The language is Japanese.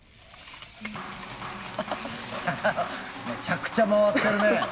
めちゃくちゃ回ってるね。